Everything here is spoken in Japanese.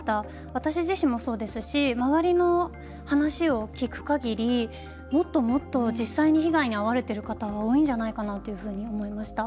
私自身もそうですし周りの話を聞くかぎりもっともっと実際に被害にあわれている方は多いんじゃないかなと思いました。